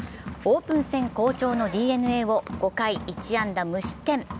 オープン戦好調のＤｅＮＡを５回１安打無失点。